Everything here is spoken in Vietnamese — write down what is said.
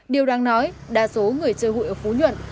điều đáng nói đa số người chơi hụi ở phú nhuận